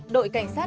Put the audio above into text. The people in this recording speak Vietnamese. đội cảnh sát